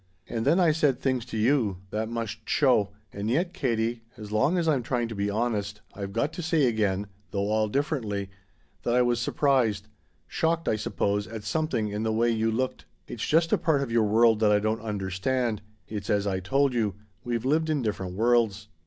And then I said things to you that must show And yet, Katie, as long as I'm trying to be honest I've got to say again, though all differently, that I was surprised shocked, I suppose, at something in the way you looked. It's just a part of your world that I don't understand. It's as I told you we've lived in different worlds.